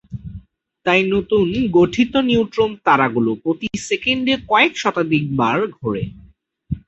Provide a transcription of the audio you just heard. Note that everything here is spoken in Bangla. তাই নতুন গঠিত নিউট্রন তারাগুলি প্রতি সেকেন্ডে কয়েক শতাধিক বার ঘোরে।